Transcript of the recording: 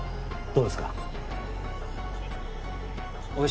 そうですか。